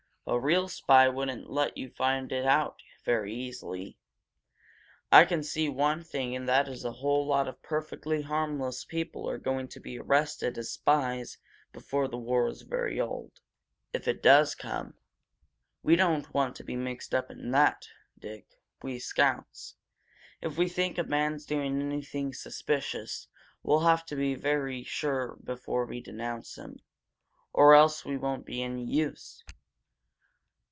"A real spy wouldn't let you find it out very easily. I can see one thing and that is a whole lot of perfectly harmless people are going to be arrested as spies before this war is very old, if it does come! We don't want to be mixed up in that, Dick we scouts. If we think a man's doing anything suspicious, we'll have to be very sure before we denounce him, or else we won't be any use."